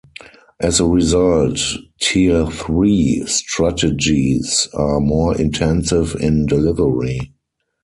As a result, tier three strategies are more intensive in delivery.